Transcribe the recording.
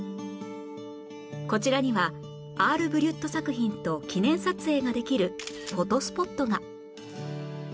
こちらにはアール・ブリュット作品と記念撮影ができるフォトスポットが